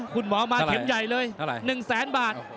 คุณหมอมาเข็มใหญ่เลย๑แสนบาท